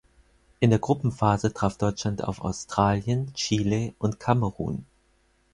In der Gruppenphase traf Deutschland auf Australien, Chile und Kamerun.